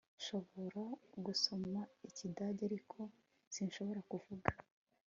Nshobora gusoma Ikidage ariko sinshobora kuvuga